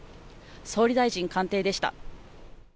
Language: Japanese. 総理大臣官邸でした。